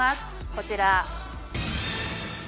こちら。